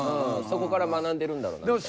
そこから学んでるんだろうな。